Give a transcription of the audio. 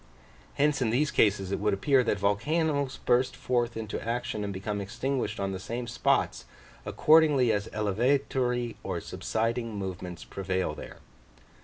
Hence in these cases it would appear, that volcanos burst forth into action and become extinguished on the same spots, accordingly as elevatory or subsiding movements prevail there.